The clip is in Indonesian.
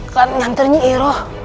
kan nyanternya iroh